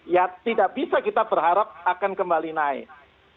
ya tidak bisa kita berharap akan kembali naik